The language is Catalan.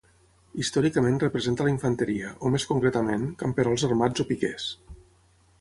Històricament representa la infanteria, o més concretament, camperols armats o piquers.